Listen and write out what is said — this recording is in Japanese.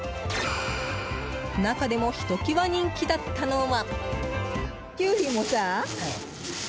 中でもひときわ人気だったのは。